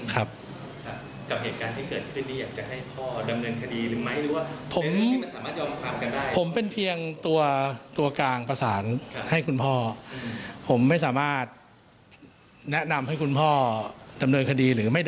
ครับกับเหตุการณ์ที่เกิดขึ้นนี้อยากจะให้พ่อดำเนินคดีไหมหรือว่า